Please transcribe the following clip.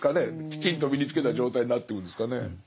きちんと身につけた状態になってくんですかね。